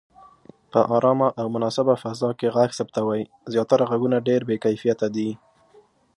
په آرامه او مناسبه فضا کې غږ ثبتوئ. زياتره غږونه ډېر بې کیفیته دي.